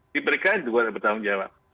diberikan juga bertanggung jawab